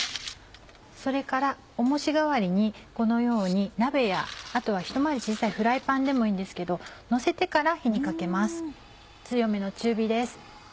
それから重し代わりにこのように鍋やあとはひと回り小さいフライパンでもいいんですけどのせてから火にかけます強めの中火です。